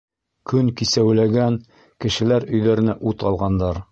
Көн кисәүләгән, кешеләр өйҙәренә ут алғандар.